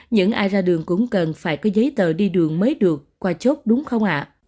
những ai ra đường cũng cần phải có giấy tờ đi đường mới được qua chốt đúng không ạ